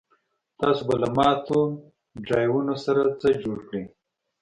تاسو به له ماتو ډرایوونو سره څه جوړ کړئ